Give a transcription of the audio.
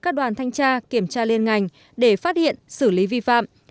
các đoàn thanh tra kiểm tra liên ngành để phát hiện xử lý vi phạm